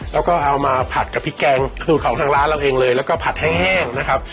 แล้วก็เอามาผัดกับพริกแกงสูตรของทางร้านเราเองเลยแล้วก็ผัดให้แห้งนะครับ